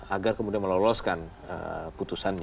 agar kemudian meloloskan putusannya